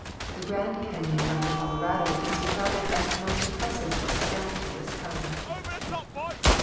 The Grand Canon of the Colorado is regarded as the most impressive example of this kind.